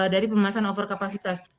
dari pemasaran overcapacitas